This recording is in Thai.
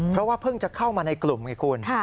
เพราะว่าเพิ่งจะเข้ามาในกลุ่มไงคุณ